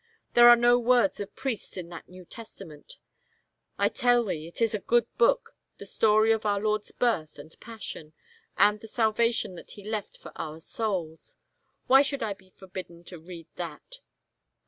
There are no words of priests in that New Testament — I tell thee, it is a good book, the story of our Lord's birth and pas^ sion and the salvation that He left for our souls. Why should I be forbidden to read that?"